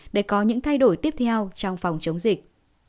để có những thay đổi tiếp theo trong phòng chống dịch